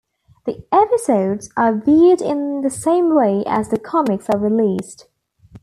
The episodes are viewed in the same way as the comics are released.